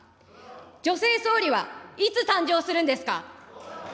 女性総理はいつ誕生するんですか。